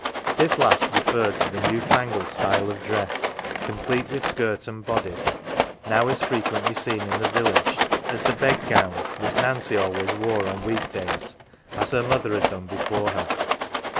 " This last referred to the new fangled style of dress, 76 NANCY complete with skirt and bodice, now as frequently seen in the village as the " bed gown "" which Nancy always wore on week days, as her mother had done before her.